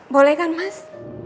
boleh kan mas